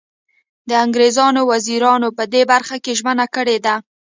د انګریزانو وزیرانو په دې برخه کې ژمنه کړې ده.